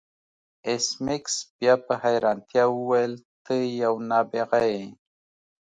ایس میکس بیا په حیرانتیا وویل ته یو نابغه یې